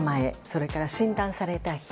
それから、診断された日。